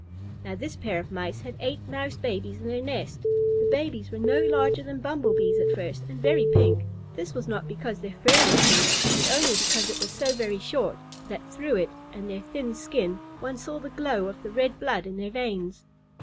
Now this pair of Mice had eight Mouse babies in their nest. The babies were no larger than Bumble Bees at first and very pink. This was not because their fur was pink, but only because it was so very short that through it and their thin skin one saw the glow of the red blood in their veins.